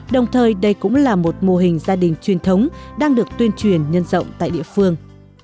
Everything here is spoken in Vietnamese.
đồng thời đây cũng là một mô hình gia đình truyền thống đang được tuyên truyền nhân rộng tại địa phương